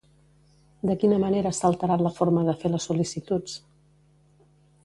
De quina manera s'ha alterat la forma de fer les sol·licituds?